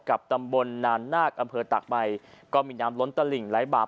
กับตำบลนานนาคอำเภอตากใบก็มีน้ำล้นตะหลิ่งไหลบาป